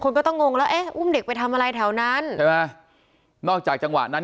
ก็ต้องงงแล้วเอ๊ะอุ้มเด็กไปทำอะไรแถวนั้นใช่ไหมนอกจากจังหวะนั้น